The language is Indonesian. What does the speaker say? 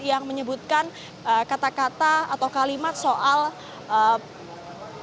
yang menyebutkan kata kata atau kalimat soal dibohongi pakai surat al maidah ayat lima puluh satu